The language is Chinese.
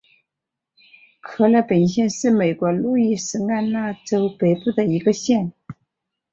克莱本县是美国路易斯安那州北部的一个县。